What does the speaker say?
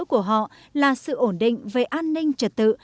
của họ là sự ổn định về an ninh trật tự